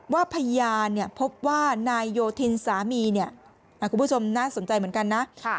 ว่าพยานพบว่านายโยธินสามีเนี่ยคุณผู้ชมน่าสนใจเหมือนกันนะ